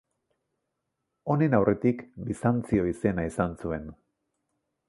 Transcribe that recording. Honen aurretik Bizantzio izena izan zuen.